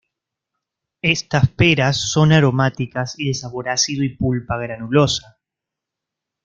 Estas peras son aromáticas y de sabor ácido y pulpa granulosa.